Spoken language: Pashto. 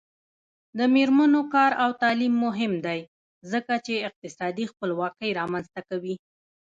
د میرمنو کار او تعلیم مهم دی ځکه چې اقتصادي خپلواکۍ رامنځته کوي.